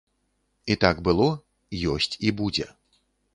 І так было, ёсць і будзе.